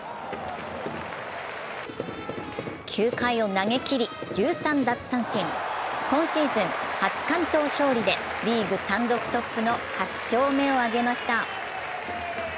９回を投げきり１３奪三振、今シーズン初完投勝利でリーグ単独トップの８勝目を挙げました。